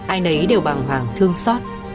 ai nấy đều bằng hoàng thương xót